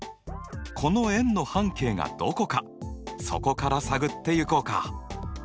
この円の半径がどこかそこから探っていこうか！